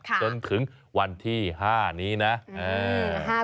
ค่ะเสร็จถึงวันที่๕นี้นะเอ่อมหือ